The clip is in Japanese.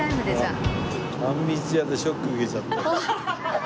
あんみつ屋でショック受けちゃって。